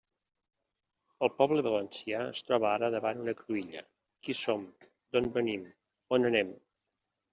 El poble valencià es troba ara davant una cruïlla: qui som, d'on venim, on anem.